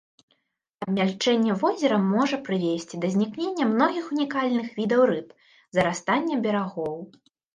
Абмяльчэнне возера можа прывесці да знікнення многіх унікальных відаў рыб, зарастання берагоў.